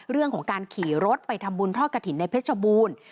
เรื่องของการขี่รถไปทำบุญทอดกระถิ่นในเพชรบูรณ์